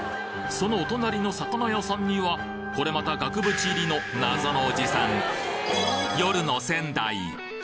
そのお隣の魚屋さんにはこれまた額縁入りの謎のおじさん夜の仙台